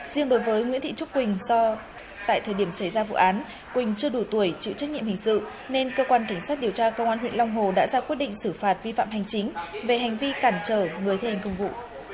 riêng đối với nguyễn thị trúc quỳnh tại thời điểm xảy ra vụ án quỳnh chưa đủ tuổi chịu trách nhiệm hình sự nên cơ quan cảnh sát điều tra công an huyện long hồ đã ra quyết định xử phạt vi phạm hành chính về hành vi cản trở người thi hành công vụ